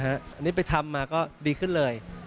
อันนี้ไปทำมาก็ดีขึ้นเลย